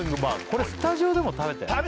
これスタジオでも食べたよね